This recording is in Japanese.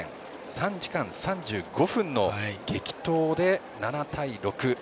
３時間３５分の激闘で７対６。